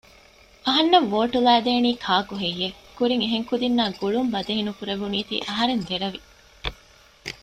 އަހަންނަށް ވޯޓް ލައިދޭނީ ކާކުހެއްޔެވެ؟ ކުރިން އެހެން ކުދިންނާ ގުޅުން ބަދަހި ނުކުރެވުނީތީ އަހަރެން ދެރަވި